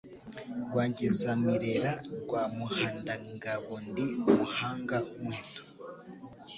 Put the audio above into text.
Rwangizamirera rwa MuhandangaboNdi umuhanga w'umuheto.